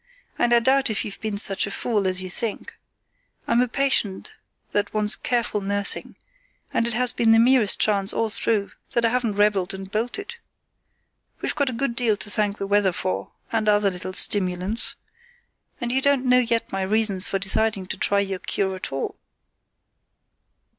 And I doubt if you've been such a fool as you think. I'm a patient that wants careful nursing, and it has been the merest chance all through that I haven't rebelled and bolted. We've got a good deal to thank the weather for, and other little stimulants. And you don't know yet my reasons for deciding to try your cure at all."